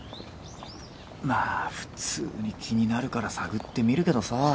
まあ普通に気になるから探ってみるけどさ。